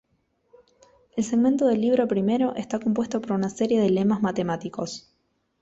El segmento del Libro primero está compuesto por una serie de lemas matemáticos.